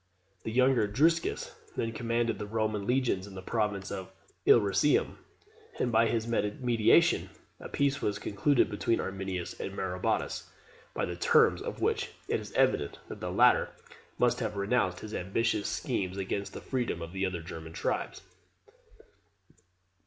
The younger Drusus then commanded the Roman legions in the province of Illyricum, and by his mediation a peace was concluded between Arminius and Maroboduus, by the terms of which it is evident that the latter must have renounced his ambitious schemes against the freedom of the other German tribes.